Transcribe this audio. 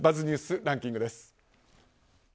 Ｂｕｚｚニュースランキングです。